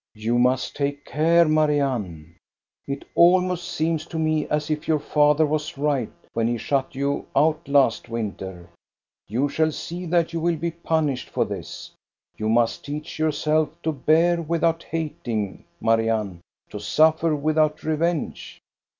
" You must take care, Marianne. It almost seems to me as if your father was right when he shut you out last winter. You shall see that you will be punished for this. You must teach yourself to bear without hating, Marianne, to suffer without revenge."